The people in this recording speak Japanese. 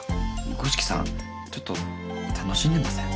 五色さんちょっと楽しんでません？